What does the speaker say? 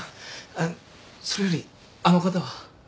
あのそれよりあの方は？